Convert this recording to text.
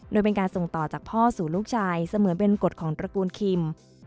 โดยเป็นการส่งต่อจากพ่อสู่ลูกชายเสมือนเป็นกฎของตระกูลคิม